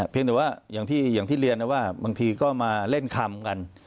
แต่ว่าอย่างที่เรียนนะว่าบางทีก็มาเล่นคำกัน